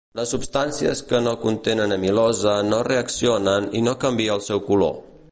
Les substàncies que no contenen amilosa no reaccionen i no canvia el seu color.